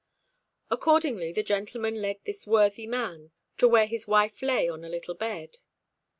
Accordingly, the gentleman led this worthy man to where his wife lay on a little bed.